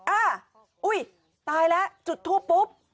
อ่าอุ้ยตายแล้วจุดทูปปุ๊บ